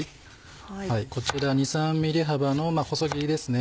こちら２３ｍｍ幅の細切りですね。